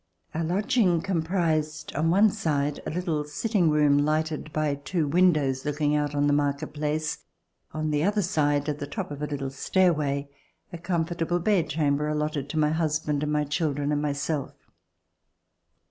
Our lodging comprised, on one side, a little sitting room lighted by two windows looking out on the Market Place; on the other side, at the top of a little stairway, a comfortable bed chamber allotted to my husband, my children and myself.